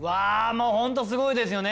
もうホントすごいですよね。